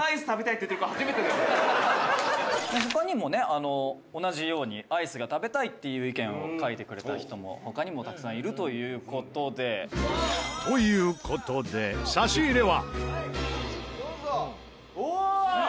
俺」「他にもね同じようにアイスが食べたいっていう意見を書いてくれた人も他にもたくさんいるという事で」という事で「どうぞ！おおー！」